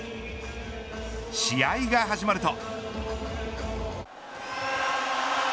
試合が始まると。